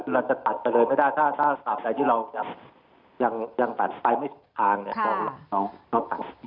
เราจะตัดไปเลยไม่ได้ถ้าถ้าตัดใดที่เรายังยังตัดไปไม่ทางเนี้ย